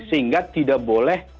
sehingga tidak boleh